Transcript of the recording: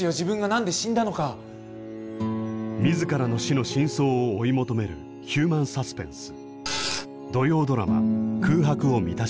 自らの死の真相を追い求めるヒューマンサスペンス。